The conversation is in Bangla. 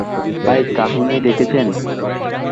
ভাই, কাহিনী দেখেছেন?